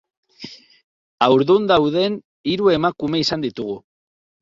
Haurdun dauden hiru emakume izan ditugu.